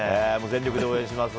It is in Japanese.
全力で応援します。